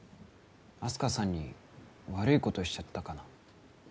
あす花さんに悪いことしちゃったかな